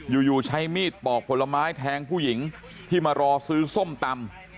อยู่ใช้มีดปอกผลไม้แทงผู้หญิงที่มารอซื้อส้มตำ